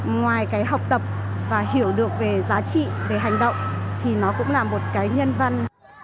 ngoài cái học tập và hiểu được về giá trị về hành động thì nó cũng là một cái nhân văn